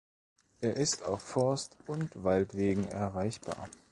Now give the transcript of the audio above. Er ist auf Forst- und Waldwegen erreichbar.